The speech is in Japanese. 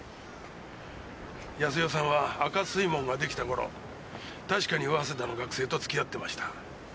康代さんは赤水門ができた頃確かに早稲田の学生と付き合ってました。